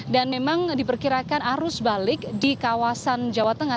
dan memang diperkirakan arus balik di kawasan jawa tengah